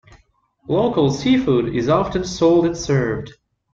Local seafood is often sold and served.